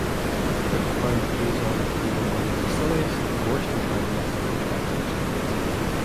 Britt found the Kazon to be among "the silliest, worst antagonists in Trek's history".